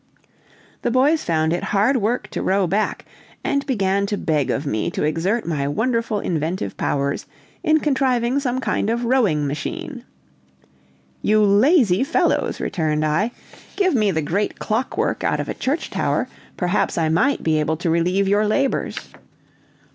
The boys found it hard work to row back, and began to beg of me to exert my wonderful inventive powers in contriving some kind of rowing machine. "You lazy fellows!" returned I; "give me the great clockwork out of a church tower, perhaps I might be able to relieve your labors."